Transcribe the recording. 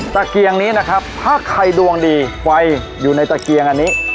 เกียงนี้นะครับถ้าใครดวงดีไฟอยู่ในตะเกียงอันนี้